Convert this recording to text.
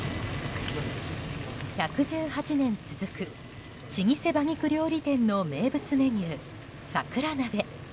１１８年続く老舗馬肉料理店の名物メニュー桜なべ。